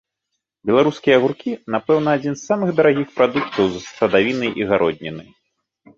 Беларускія агуркі, напэўна, адзін з самых дарагіх прадуктаў з садавіны і гародніны.